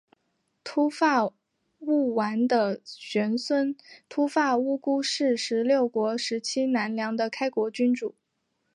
秃发务丸的玄孙秃发乌孤是十六国时期南凉的开国君主。